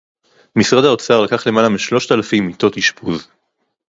משרד האוצר לקח למעלה משלושת אלפים מיטות אשפוז